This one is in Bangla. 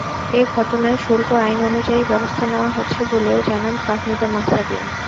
এ ঘটনায় শুল্ক আইন অনুযায়ী ব্যবস্থা নেওয়া হচ্ছে বলেও জানান ফাহমিদা মাহজাবীন।